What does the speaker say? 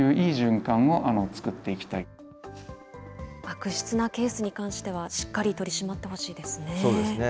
悪質なケースに関してはしっかり取り締まってほしいですね。